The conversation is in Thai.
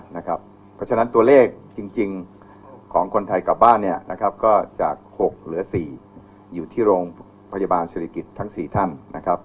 เพราะฉะนั้นตัวเลขจริงของคนไทยกลับบ้านเนี่ยนะครับก็จาก๖เหลือ๔อยู่ที่โรงพยาบาลศิริกิจทั้ง๔ท่านนะครับ